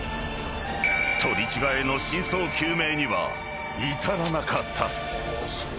［取り違えの真相究明には至らなかった］